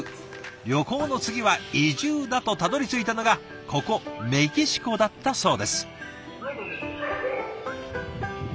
旅行の次は移住だとたどりついたのがここメキシコだったそうです。